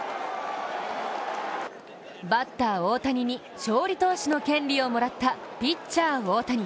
バッター・大谷に勝利投手の権利をもらったピッチャー・大谷。